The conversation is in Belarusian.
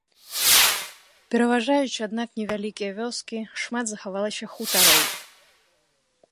Пераважаюць, аднак, невялікія вёскі, шмат захавалася хутароў.